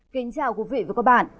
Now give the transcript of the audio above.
kính chào quý vị và các bạn